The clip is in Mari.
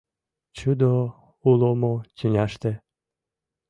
Чудо уло мо тӱняште?»